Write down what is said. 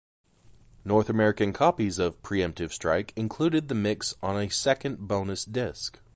North American copies of "Preemptive Strike" included the mix on a second bonus disc.